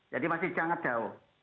jadi masih sangat jauh